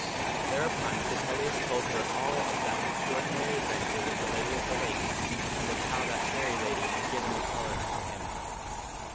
Thereupon Sir Pellias told her all of that extraordinary adventure with the Lady of the Lake, and of how that fairy lady had given the collar unto him.